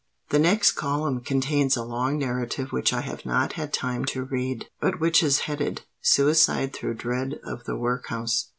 The next column contains a long narrative which I have not had time to read, but which is headed 'Suicide through Dread of the Workhouse.'